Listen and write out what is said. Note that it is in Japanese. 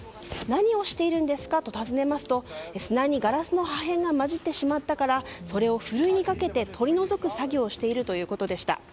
何をしているんですかと尋ねると砂にガラスの破片が混じってしまったからそれをふるいにかけて取り除く作業をしているということでした。